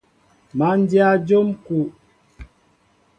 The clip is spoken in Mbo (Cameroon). Má ndyă njóm kúw.